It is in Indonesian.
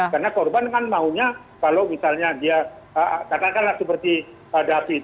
karena korban kan maunya kalau misalnya dia katakanlah seperti david